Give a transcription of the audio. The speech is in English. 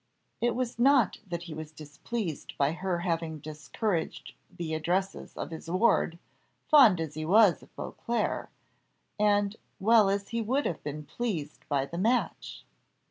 It was not that he was displeased by her having discouraged the addresses of his ward, fond as he was of Beauclerc, and well as he would have been pleased by the match.